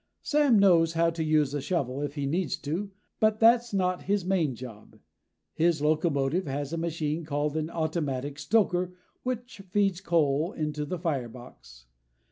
Sam knows how to use a shovel if he needs to, but that's not his main job. His locomotive has a machine called an automatic stoker which feeds coal into the firebox.